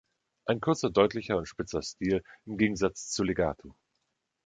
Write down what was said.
Ein kurzer, deutlicher und spitzer Stil im Gegensatz zu Legato.